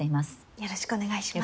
よろしくお願いします。